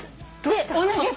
同じやつ？